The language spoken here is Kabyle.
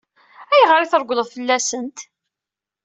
Ayɣer i treggleḍ fell-asent?